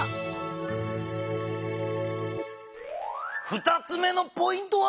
２つ目のポイントは？